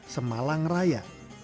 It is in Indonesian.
kebanyakan ada dari bapak ibu dan anak